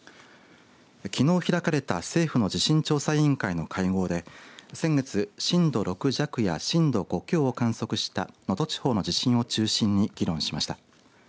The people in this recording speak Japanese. きのう開かれた政府の地震調査委員会の会合で先月、震度６弱や震度５強を観測した能登地方の地震を中心に議論しました。